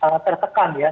membali tertekan ya